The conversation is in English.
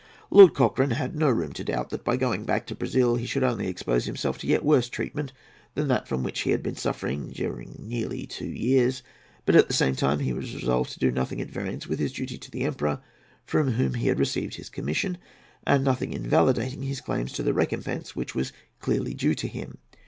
Lord Cochrane had no room to doubt that by going back to Brazil he should only expose himself to yet worse treatment than that from which he had been suffering during nearly two years; but at the same time he was resolved to do nothing at variance with his duty to the Emperor from whom he had received his commission, and nothing invalidating his claims to the recompense which was clearly due to him.